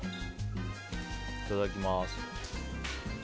いただきます。